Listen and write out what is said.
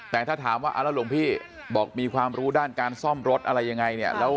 แต่ถ้าถามว่าแล้วหลวงพี่บอกมีความรู้ด้านการซ่อมรถอะไรยังไงเนี่ย